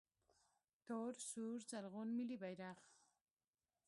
🇦🇫 تور سور زرغون ملي بیرغ